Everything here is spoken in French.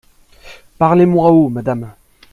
Parlez moins haut, madame.